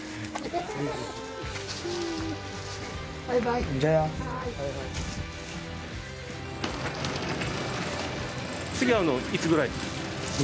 バイバイじゃバイバイ次会うのいつぐらい？